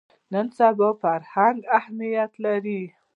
نن سبا فرهنګ اهمیت لري